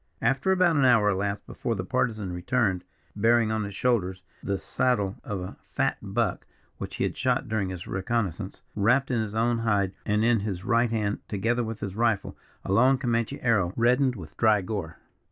About an hour elapsed before the Partisan returned, bearing on his shoulders the saddle of a fat buck, which he had shot during his reconnaissance, wrapped in his own hide, and in his right hand, together with his rifle, a long Comanche arrow reddened with dry gore.